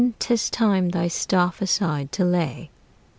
'Tis time thy staff aside to lay."'